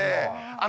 あ！